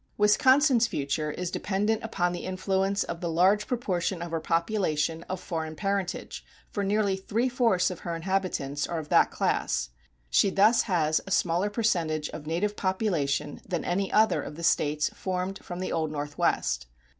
Wisconsin's future is dependent upon the influence of the large proportion of her population of foreign parentage, for nearly three fourths of her inhabitants are of that class. She thus has a smaller percentage of native population than any other of the States formed from the Old Northwest.